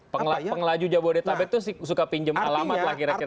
penglaju jabodetabek itu suka pinjam alamat lah kira kira begitu ya